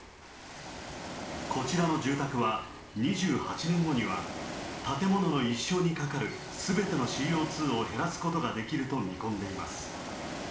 こちらの住宅は、２８年後には、建物の一生にかかるすべてのＣＯ２を減らすことができると見込んでいます。